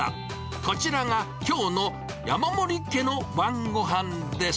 こちらがきょうの山森家の晩ごはんです。